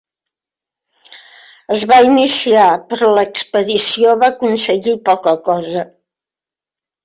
Es va iniciar, però l'expedició va aconseguir poca cosa.